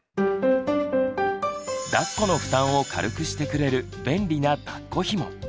だっこの負担を軽くしてくれる便利なだっこひも。